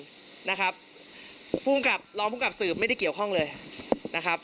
รองผู้กำกับสืบไม่ได้เกี่ยวข้องเลยนะครับ